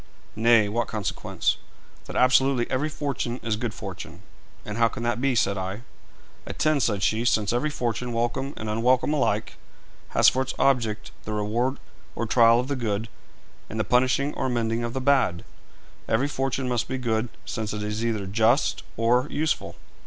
'Nay; what consequence?' 'That absolutely every fortune is good fortune.' 'And how can that be?' said I. 'Attend,' said she. 'Since every fortune, welcome and unwelcome alike, has for its object the reward or trial of the good, and the punishing or amending of the bad, every fortune must be good, since it is either just or useful.'